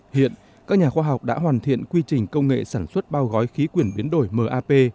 hiện các nhà khoa học đã hoàn thiện quy trình công nghệ sản xuất bao gói khí quyển biến đổi map